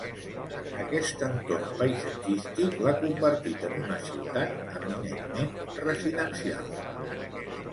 Aquest entorn paisatgístic l'ha convertit en una ciutat eminentment residencial.